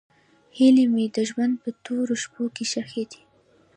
هیلې مې د ژوند په تورو شپو کې ښخې دي.